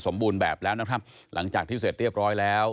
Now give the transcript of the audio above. บูรณแบบแล้วนะครับหลังจากที่เสร็จเรียบร้อยแล้ว